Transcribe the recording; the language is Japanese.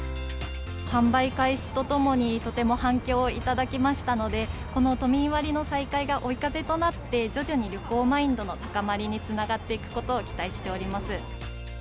販売開始とともに、とても反響をいただきましたので、この都民割の再開が追い風となって、徐々に旅行マインドの高まりにつながっていくことを期待しております。